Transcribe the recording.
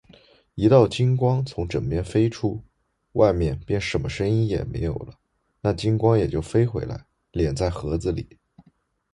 一道金光从枕边飞出，外面便什么声音也没有了，那金光也就飞回来，敛在盒子里。